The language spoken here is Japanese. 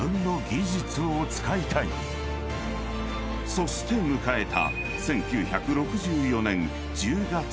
［そして迎えた］